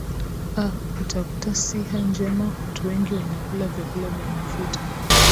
a utakuta siha njema watuwengi wanakula vyakula vya mafuta